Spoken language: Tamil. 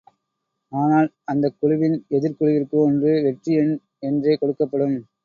ஆனால் அந்தக் குழுவின் எதிர்க் குழுவிற்கு ஒன்று வெற்றி எண் என்றே கொடுக்கப்படும்.